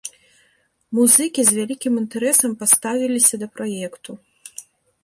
Музыкі з вялікім інтарэсам паставіліся да праекту.